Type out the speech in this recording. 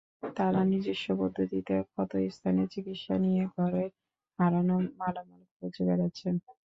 তাঁরা নিজস্ব পদ্ধতিতে ক্ষতস্থানের চিকিৎসা নিয়ে ঘরের হারানো মালামাল খুঁজে বেড়াচ্ছেন।